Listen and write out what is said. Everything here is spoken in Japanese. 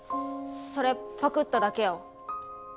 それパクっただけやお。